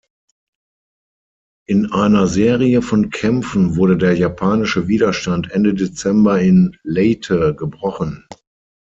In einer Serie von Kämpfen wurde der japanische Widerstand Ende Dezember in Leyte gebrochen.